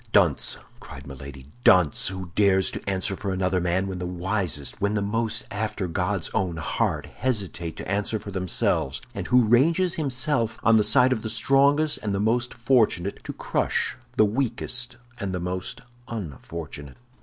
"Dunce," cried Milady, "dunce! who dares to answer for another man, when the wisest, when those most after God's own heart, hesitate to answer for themselves, and who ranges himself on the side of the strongest and the most fortunate, to crush the weakest and the most unfortunate."